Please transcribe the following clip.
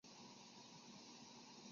该岛屿是一个无人岛。